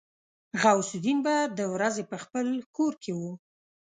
غوث الدين به د ورځې په خپل کور کې و.